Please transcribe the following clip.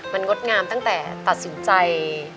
มันงดงามตั้งแต่ตัดสินใจ